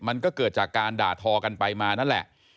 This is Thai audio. มันก็เกิดจากการด่าทอกันไปมานั่นแหละ